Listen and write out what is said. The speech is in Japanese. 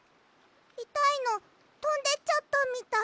いたいのとんでっちゃったみたい。